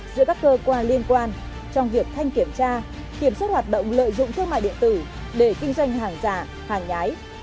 giữa các cơ quan liên quan trong việc thanh kiểm tra kiểm soát hoạt động lợi dụng thương mại điện tử để kinh doanh hàng giả hàng nhái